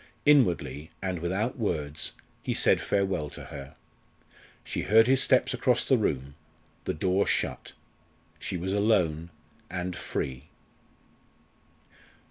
Inwardly, and without words, he said farewell to her. She heard his steps across the room; the door shut; she was alone and free.